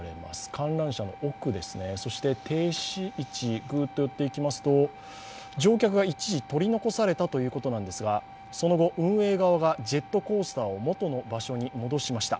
観覧車の奥ですね、そして停止位置、乗客が一時取り残されたということですが、その後、運営側がジェットコースターを元の場所に戻しました。